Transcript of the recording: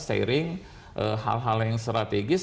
sharing hal hal yang strategis